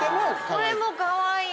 これもかわいい。